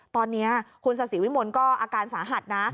ตอนนี้คุณศาสิวิมลก็อาการสาหัสนะ